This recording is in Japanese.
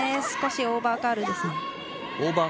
少しオーバーカールですね。